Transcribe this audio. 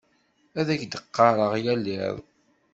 Ad ak-d-ɣɣareɣ yal iḍ.